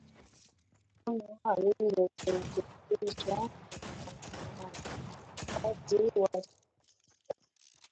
kama ilivyopendekezwa na wanaharakati wa nchini humo